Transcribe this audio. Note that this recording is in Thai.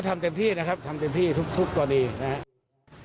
ทำเต็มที่นะครับทำเต็มที่ทุกกรณีนะครับ